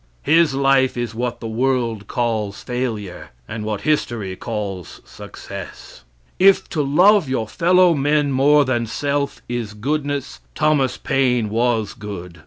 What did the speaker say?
His life is what the world calls failure, and what history calls success. If to love your fellow men more than self is goodness, Thomas Paine was good.